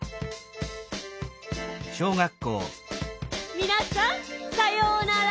みなさんさようなら。